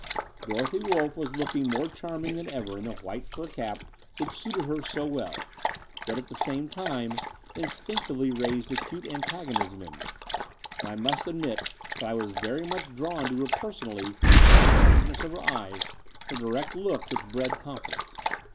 Dorothy Wolff was looking more charming than ever in the white fur cap which suited her so well, yet, at the same time, instinctively raised acute antagonism in me: and I must admit that I was very much drawn to her personally by the frank ness of her eyes, her direct look which bred confi dence.